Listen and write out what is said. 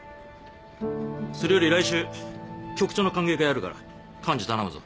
それより来週局長の歓迎会やるから幹事頼むぞ。